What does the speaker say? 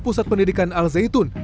pusat pendidikan al zaitun